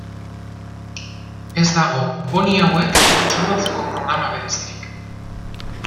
Ez dago poni hauek kontserbatzeko programa berezirik.